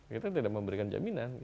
kita tidak memberikan jaminan